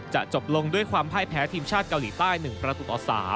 จบลงด้วยความพ่ายแพ้ทีมชาติเกาหลีใต้๑ประตูต่อ๓